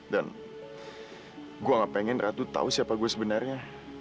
dan gue nggak pengen ratu tahu siapa gue sebenarnya